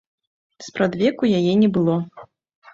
Спрадвеку яе не было.